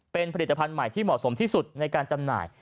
เป็นผลิตภัณฑ์ใหม่ที่เหมาะสมที่สุดในการจำหน่าย